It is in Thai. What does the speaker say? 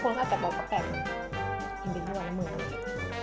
กินไปด้วยหลังมือ